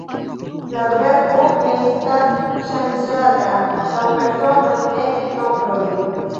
La verbo ne estas ŝanĝata laŭ personoj nek nombroj.